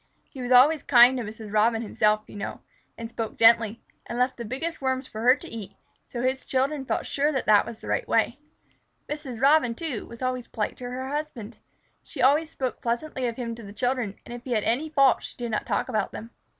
He was always kind to Mrs. Robin himself, you know, and spoke gently, and left the biggest Worms for her to eat, so his children felt sure that this was the right way. Mrs. Robin, too, was always polite to her husband. She spoke pleasantly of him to the children, and if he had any faults she did not talk about them.